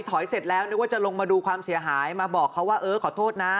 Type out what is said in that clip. เสร็จแล้วนึกว่าจะลงมาดูความเสียหายมาบอกเขาว่าเออขอโทษนะ